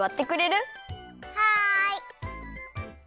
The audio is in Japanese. はい。